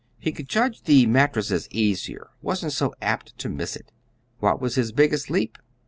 He could judge the mattress easier; wasn't so apt to miss it. What was his biggest leap?